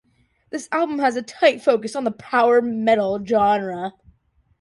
This album has a tight focus on the power metal genre.